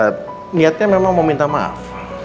nah itulah niatnya memang mau minta maaf